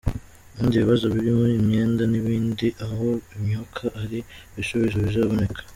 Ibindi bibazo birimo imyenda n’ibindi aho umwuka ari ibisubizo bizaboneka.